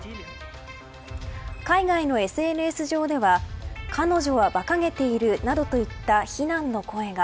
海外のＳＮＳ上では彼女はばかげているなどといった非難の声が。